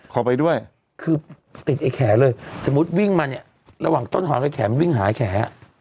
ขอไปด้วยคือติดไอ้แขเลยสมมุติวิ่งมาเนี่ยระหว่างต้นหอยกับแขนมันวิ่งหาแข